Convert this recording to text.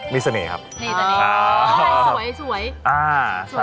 มีเสน่ห์ครับ